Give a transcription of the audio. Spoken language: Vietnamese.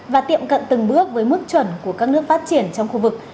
và tiệm cận từng bước với mức chuẩn của các nước phát triển trong khu vực